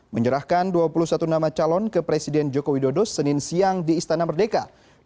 menyerahkan dua puluh satu nama calon ke presiden joko widodo senin siang di istana merdeka